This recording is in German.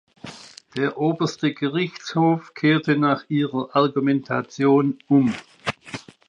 Der Oberste Gerichtshof kehrte nach ihrer Argumentation um.